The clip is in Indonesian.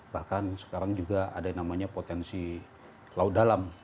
bahkan sekarang juga ada yang namanya potensi laut dalam